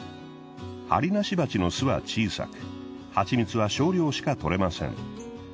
ハリナシバチの巣は小さく蜂蜜は少量しか採れません。